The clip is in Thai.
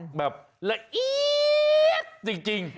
แบบละเอียดจริง